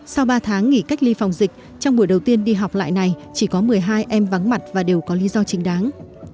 sau ba tháng nghỉ cách ly phòng dịch trong buổi đầu tiên đi học lại này chỉ có một mươi hai em vắng mặt và đều có lý do chính đáng